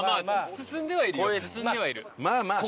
進んではいる。